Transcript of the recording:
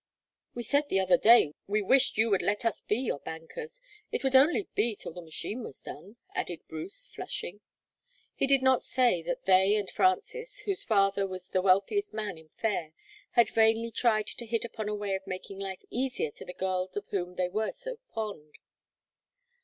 "We said the other day we wished you would let us be your bankers it would only be till the machine was done," added Bruce, flushing. He did not say that they and Frances, whose father was the wealthiest man in Fayre, had vainly tried to hit upon a way of making life easier to the girls of whom they were so fond.